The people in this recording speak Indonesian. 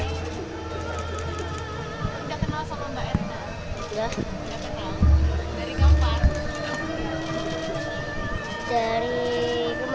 enggak kenal sama mbak erina